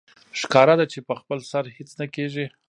ښکاره ده چې په خپل سر هېڅ نه کېږي